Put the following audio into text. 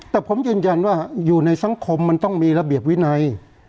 แต่ผมยืนยันว่าอยู่ในสังคมมันต้องมีระเบียบวินัย